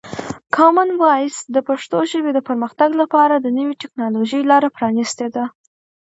کامن وایس د پښتو ژبې د پرمختګ لپاره د نوي ټکنالوژۍ لاره پرانیستې ده.